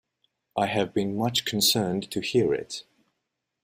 I have been much concerned to hear it.